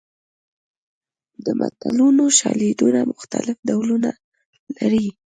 د متلونو شالیدونه مختلف ډولونه لري